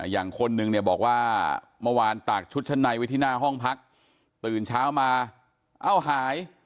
อย่างคนนึงเนี่ยบอกว่าเมื่อวานตากชุดชั้นในไว้ที่หน้าห้องพักตื่นเช้ามาเอ้าหาย